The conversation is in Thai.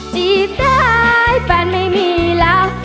จีบได้แฟนไม่มีแล้ว